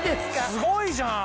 すごいじゃん！